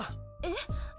えっ？